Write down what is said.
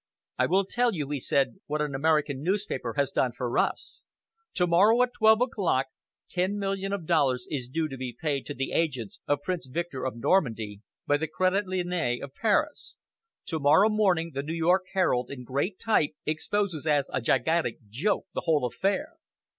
"I will tell you," he said, "what an American newspaper has done for us. To morrow, at twelve o'clock, ten million of dollars is due to be paid to the agents of Prince Victor of Normandy, by the Credit Lyonnais of Paris. To morrow morning, the New York Herald, in great type, exposes as a gigantic joke the whole affair!